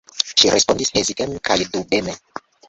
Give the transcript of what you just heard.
Ŝi respondis heziteme kaj dubeme: